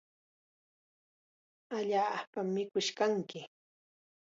Allaapam mikush kanki.